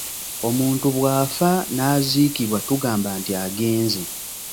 Omuntu bw’afa n’aziikibwa tugamba nti agenze.